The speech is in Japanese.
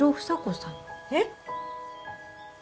えっ！？